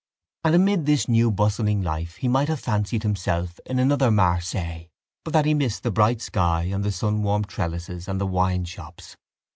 And amid this new bustling life he might have fancied himself in another Marseilles but that he missed the bright sky and the sun warmed trellises of the wineshops.